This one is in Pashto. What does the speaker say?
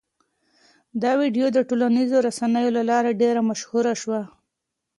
دا ویډیو د ټولنیزو رسنیو له لارې ډېره مشهوره شوه.